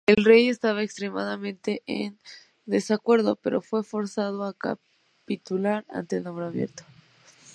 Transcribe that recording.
El rey estaba extremadamente en desacuerdo pero fue forzado a capitular ante el nombramiento.